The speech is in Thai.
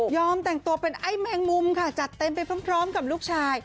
แต่งตัวเป็นไอ้แมงมุมค่ะจัดเต็มไปพร้อมกับลูกชาย